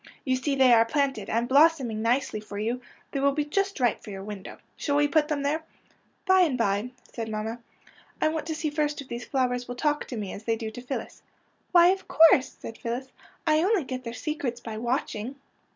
You see they are planted and blossoming nicely for you. They will be just right for your window. Shall we put them there? "'' By and bye," said mamma. " I want to IN MAMMA'S ROOM 77 see first if these flowers will talk to me as they do to PhyUis/' ^< Why, of course," said Phyllis. '' I only get their secrets by watching."